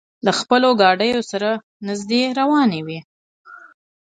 له خپلو ګاډیو سره نږدې روانې وې.